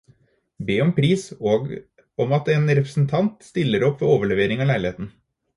Be om pris, og om at en representant stiller opp ved overleveringen av leiligheten.